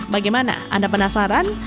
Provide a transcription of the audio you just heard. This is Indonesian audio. bagaimana anda penasaran